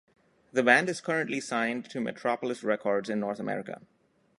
The band is currently signed to Metropolis Records in North America.